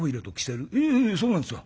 「ええええそうなんですよ。